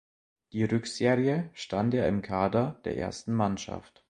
Die Rückserie stand er im Kader der ersten Mannschaft.